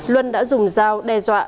luân đã dùng dao đe dọa